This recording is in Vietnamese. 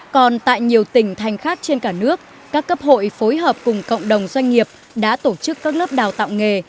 còn tại nhiều tỉnh thành khác trên cả nước các cấp hội phối hợp cùng cộng đồng doanh nghiệp đã tổ chức các lớp đào tạo nghề